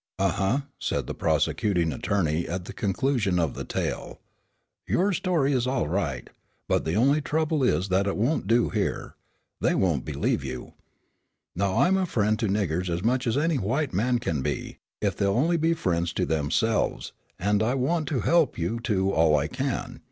"Uh, huh," said the prosecuting attorney at the conclusion of the tale, "your story's all right, but the only trouble is that it won't do here. They won't believe you. Now, I'm a friend to niggers as much as any white man can be, if they'll only be friends to themselves, an' I want to help you two all I can.